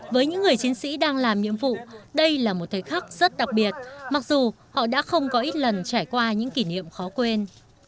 với những người chiến sĩ đang làm nhiệm vụ đây là một thời khắc rất đặc biệt mặc dù họ đã không có ít lần trải qua những kỷ niệm khó quên